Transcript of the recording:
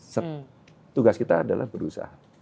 setugas kita adalah berusaha